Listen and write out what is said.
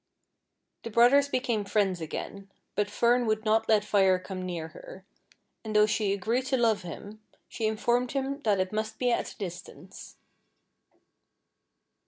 The brothers became friends again, but Fern would not let Fire come near her, and though she agreed to love him, she informed him that it must be at a distance.